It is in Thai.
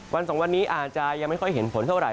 สองวันนี้อาจจะยังไม่ค่อยเห็นผลเท่าไห